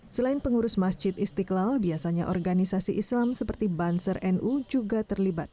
selain pengurus masjid istiqlal biasanya organisasi islam seperti banser nu juga terlibat